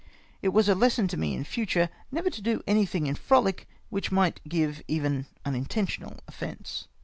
It was a lesson to me m future never to do anythmg in frohc which might give even unintentional offence.